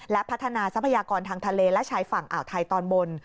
และพัฒนาทรัพยากรทางทะเลและชายฝั่งอ่าวไทยตอนบน